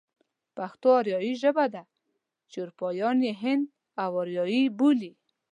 پښتو آريايي ژبه ده چې اروپايان يې هند و آريايي بولي.